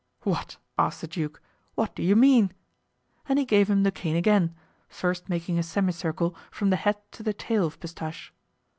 "What," asked the duke, "what do you mean?" and he gave him the cane again, first making a semicircle from the head to the tail of Pistache.